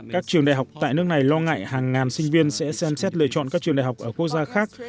các trường đại học tại nước này lo ngại hàng ngàn sinh viên sẽ xem xét lựa chọn các trường đại học ở quốc gia khác